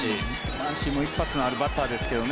マンシーも一発のあるバッターですけど